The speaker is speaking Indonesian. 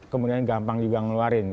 kemudian gampang juga ngeluarin